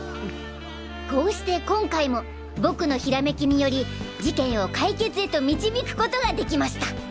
こうして今回も僕のひらめきにより事件を解決へと導くことができました。